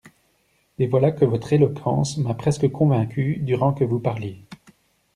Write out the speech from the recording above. Et voilà que votre éloquence m'a presque convaincue durant que vous parliez.